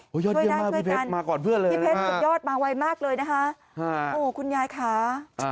ช่วยได้ช่วยกันพี่เพชรคุณยอดมาไวมากเลยนะคะโอ้ยคุณยายค่ะ